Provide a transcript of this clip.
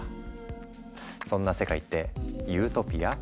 そんな世界ってユートピア？